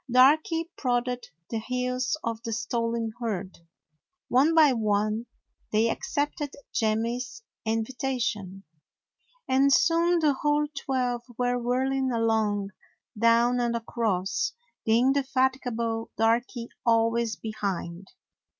Darky prodded the heels of the stolen herd. One by one they accepted Jemmy's invitation, and soon the whole twelve were whirling along, down and across, the indefat igable Darky always behind.